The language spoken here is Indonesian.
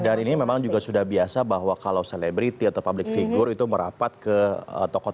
dan ini memang juga sudah biasa bahwa kalau selebriti atau public figure itu merapat ke tokoh tokohnya